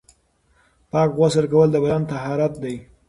پاک غسل کول د بدن طهارت دی.